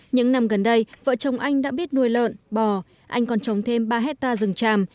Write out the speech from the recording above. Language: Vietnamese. những năm gần đây vợ chồng anh đã biết nuôi lợn bò anh còn trồng thêm ba hectare rừng tràm